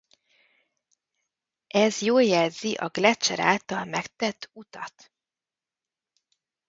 Ez jó jelzi a gleccser által megtett utat.